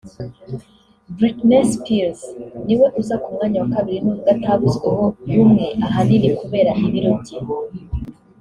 Britney Spears niwe uza ku mwanya wa kabili n’ubwo atavuzweho rumwe ahanini kubera ibiro bye